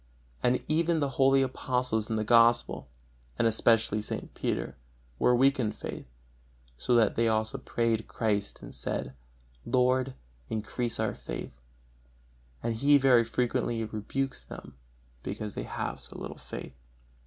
For even the holy Apostles in the Gospel, and especially St. Peter, were weak in faith, so that they also prayed Christ and said: "Lord, increase our faith "; and He very frequently rebukes them because they have so little faith.